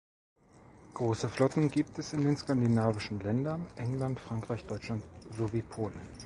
Große Flotten gibt es in den skandinavischen Ländern, England, Frankreich, Deutschland sowie Polen.